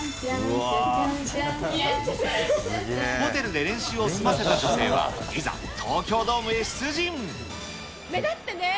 ホテルで練習を済ませた女性目立ってね。